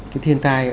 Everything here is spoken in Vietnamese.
cái thiên tai